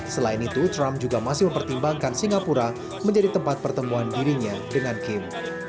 selain itu trump juga masih mempertimbangkan singapura menjadi tempat pertemuan dirinya dengan kim